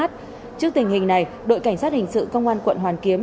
trước tình hình này đội cảnh sát hình sự công an quận hoàn kiếm